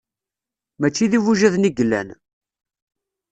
Mačči d-ibujaden i yellan.